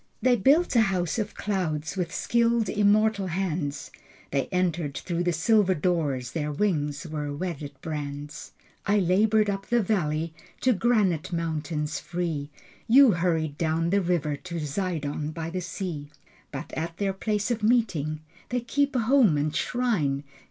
They built a house of clouds With skilled immortal hands. They entered through the silver doors. Their wings were wedded brands. I labored up the valley To granite mountains free. You hurried down the river To Zidon by the sea. But at their place of meeting They keep a home and shrine.